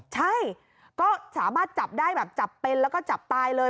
ใช่ก็สามารถจับได้แบบจับเป็นแล้วก็จับตายเลย